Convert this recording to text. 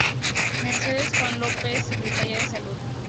Mercedes Juan López, Secretaria de Salud.